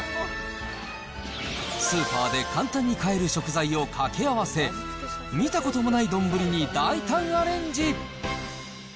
スーパーで簡単に買える食材を掛け合わせ、見たこともない丼に大胆アレンジ。